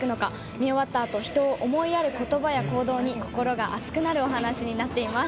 見終わったあと、人を思いやることばや行動に、心が熱くなるお話になっています。